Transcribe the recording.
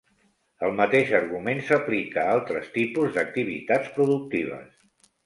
El mateix argument s'aplica a altres tipus d'activitats productives.